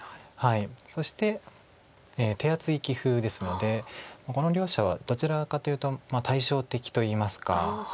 そして手厚い棋風ですのでこの両者はどちらかというと対照的といいますか。